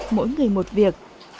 mỗi người một việc